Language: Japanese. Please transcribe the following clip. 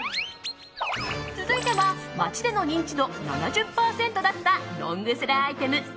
続いては街での認知度７０％だったロングセラーアイテム